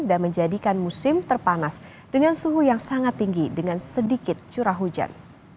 dan menjadikan musim terpanas dengan suhu yang sangat tinggi dengan sedikit curah hujan